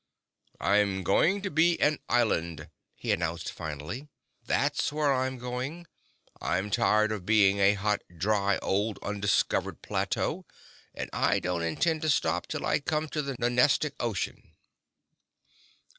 "I'm going to be an island," he announced finally. "That's where I'm going. I'm tired of being a hot, dry old undiscovered plateau and I don't intend to stop till I come to the Nonestic Ocean."